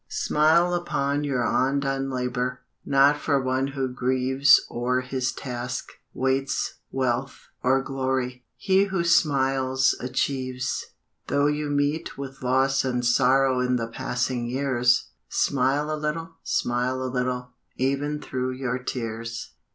Smile upon your undone labor; Not for one who grieves O'er his task, waits wealth or glory; He who smiles achieves. Though you meet with loss and sorrow In the passing years, Smile a little, smile a little, Even through your tears.